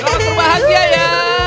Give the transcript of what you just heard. semoga kau bahagia ya